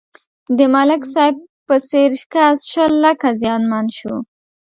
د ملک صاحب په څېر کس شل لکه زیانمن شو.